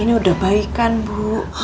ini udah baik kan bu